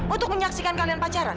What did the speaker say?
untuk menyaksikan kalian pacaran